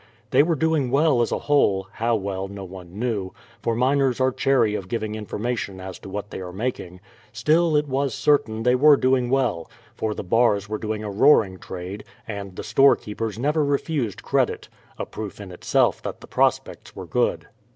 They were doing well, as a whole, how well no one knew, for miners are chary of giving information as to what they are making; still, it was certain they were doing well, for the bars were doing a roaring trade, and the storekeepers never refused credit a proof in itself that the prospects were good.